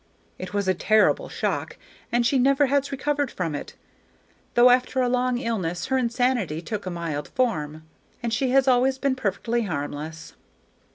It was a terrible shock, and she never has recovered from it, though after a long illness her insanity took a mild form, and she has always been perfectly harmless.